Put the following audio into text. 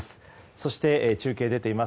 そして中継が出ています。